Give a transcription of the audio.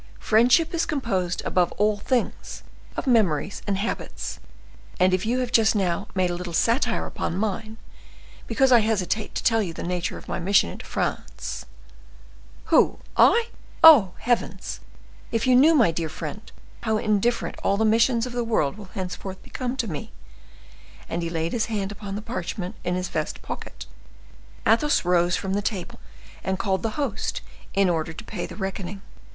Friendship is composed, above all things, of memories and habits, and if you have just now made a little satire upon mine, because I hesitate to tell you the nature of my mission into France—" "Who! I?—Oh! heavens! if you knew, my dear friend, how indifferent all the missions of the world will henceforth become to me!" And he laid his hand upon the parchment in his vest pocket. Athos rose from the table and called the host in order to pay the reckoning.